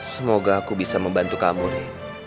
semoga aku bisa membantu kamu nih